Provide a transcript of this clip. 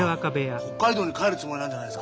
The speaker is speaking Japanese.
北海道に帰るつもりなんじゃないすか？